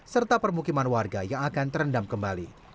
serta permukiman warga yang akan terendam kembali